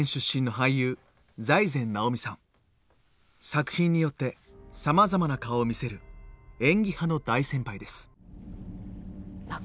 作品によってさまざまな顔を見せる演技派の大先輩です。